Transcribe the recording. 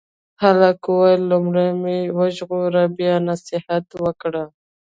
هلک وویل لومړی مې وژغوره بیا نصیحت وکړه.